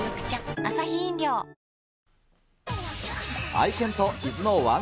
愛犬と伊豆のワン！